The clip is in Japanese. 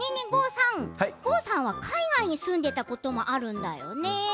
郷さんは海外に住んでいたことがあるんだよね。